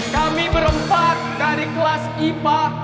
kami berempat dari kelas ipa